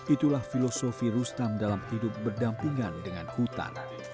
itulah filosofi rustam dalam hidup berdampingan dengan hutan